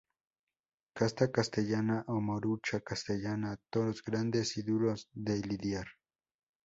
Casta castellana o morucha-castellana: Toros grandes y duros de lidiar.